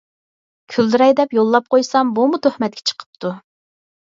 كۈلدۈرەي دەپ يوللاپ قويسام بۇمۇ تۆھمەتكە چىقىپتۇ.